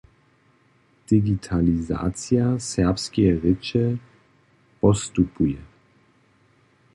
Digitalizacija serbskeje rěče postupuje.